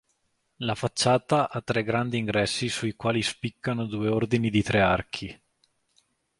La facciata ha tre grandi ingressi sui quali spiccano due ordini di tre archi.